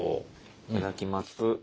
いただきます。